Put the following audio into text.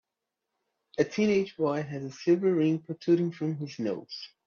A teenage boy has a silver ring protruding from his nose.